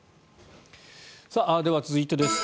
では、続いてです。